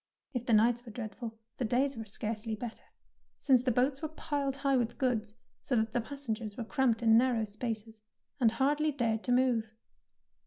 If the nights were dreadful, the days were scarcely better, since the boats were piled high with goods, so that the passengers were cramped in narrow spaces and hardly dared to move.